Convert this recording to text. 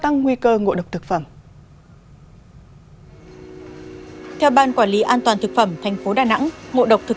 tăng nguy cơ ngộ độc thực phẩm theo ban quản lý an toàn thực phẩm thành phố đà nẵng ngộ độc thực